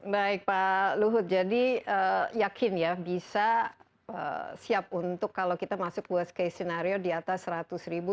baik pak luhut jadi yakin ya bisa siap untuk kalau kita masuk worst case scenario di atas seratus ribu